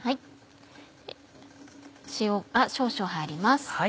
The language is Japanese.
塩が少々入ります。